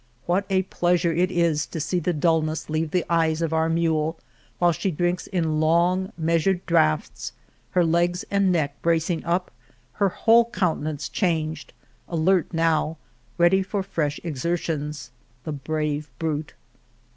What a pleasure it is to see the dulness leave the eyes of our mule while she drinks in long measured draughts, her legs and neck bracing up, her whole countenance changed — alert now, ready for fresh exertions. The brave brute